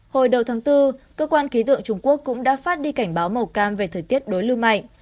hồi đầu tháng bốn cơ quan ký tượng trung quốc cũng đã phát đi cảnh báo màu cam về thời tiết đối lưu mạnh